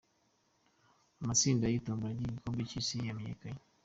Amatsinda y’itombora ryigikombe cy’isi yamenyekanye